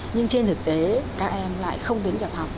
nhưng trên thực tế các em lại không đến nhập học